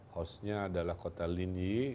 hostnya adalah kota linyi